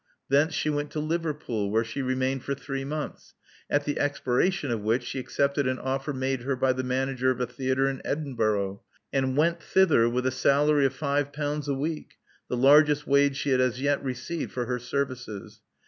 Thence she went to Liverpool, where she remained for three months, at the expiration of which she accepted an offer made her by the manager of a theatre in Edinburgh, and wept thither with a salary of five pounds a week, the largest' wage she had as yet received for her services.